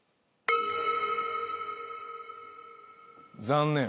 残念。